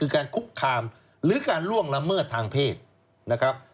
คือการคุกคามหรือการล่วงละเมิดทางเพศนะครับ